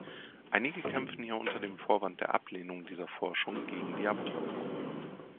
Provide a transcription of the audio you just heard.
Einige kämpfen hier unter dem Vorwand der Ablehnung dieser Forschung gegen die Abtreibung.